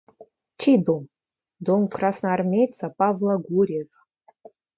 Чей дом? – Дом красноармейца Павла Гурьева.